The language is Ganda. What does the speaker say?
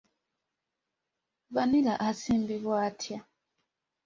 Vanilla asimbibwa atya?